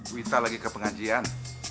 wita lagi ke pengajian